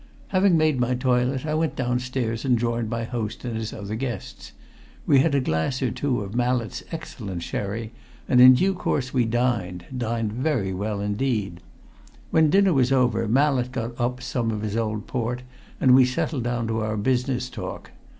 "Having made my toilet, I went downstairs and joined my host and his other guests. We had a glass or two of Mallett's excellent sherry, and in due course we dined dined very well indeed. When dinner was over, Mallett got up some of his old port, and we settled down to our business talk.